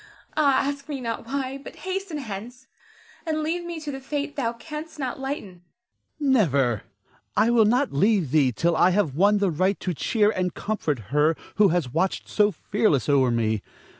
Ah, ask me not why, but hasten hence, and leave me to the fate thou canst not lighten. Ernest. Never! I will not leave thee till I have won the right to cheer and comfort her who has watched so fearlessly o'er me.